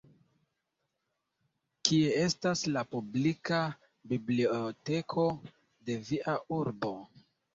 Kie estas la publika biblioteko de via urbo?